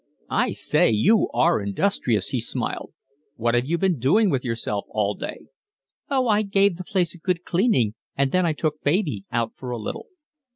"I say, you are industrious," he smiled. "What have you been doing with yourself all day?" "Oh, I gave the place a good cleaning and then I took baby out for a little."